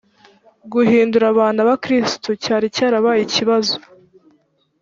guhindura abantu abakristo cyari cyarabaye ikibazo.